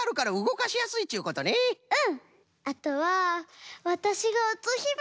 うん。